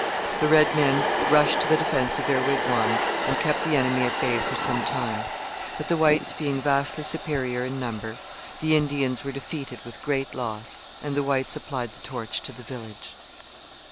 The red men rushed to the defence of their wigwams, and kept the enemy at bay for some time; but the whites being vastly superior in number, the Indians were defeated with great loss, and the whites applied the torch to the village.